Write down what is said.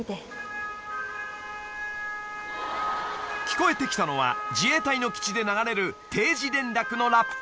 ［聞こえてきたのは自衛隊の基地で流れる定時連絡のラッパ］